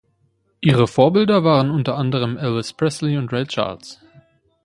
Ihre Vorbilder waren unter anderem Elvis Presley und Ray Charles.